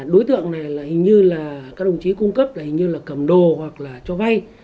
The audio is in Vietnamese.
đối tượng này là hình như là các đồng chí cung cấp là hình như là cầm đồ hoặc là cho vay